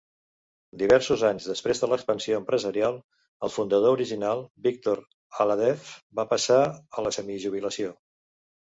Diversos anys després de l'expansió empresarial, el fundador original, Victor Alhadeff, va passar a la semi-jubilació.